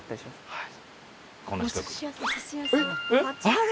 はい。